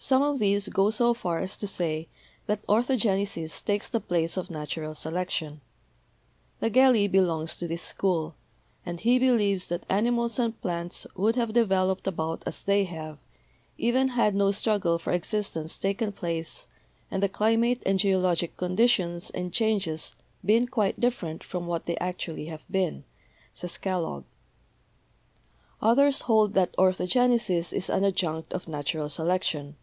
Some of these go so far as to say that orthogenesis takes the place of natural selection. Nageli belongs to this school, and he "believes that animals and plants would have developed about as they have even had no struggle for existence taken place and the climate and geologic conditions and changes been quite different from what they actually have been," says Kellogg. Others hold that orthogenesis is an adjunct of nat ural selection.